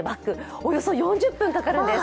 およそ４０分かかるんです。